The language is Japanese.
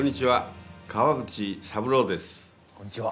こんにちは。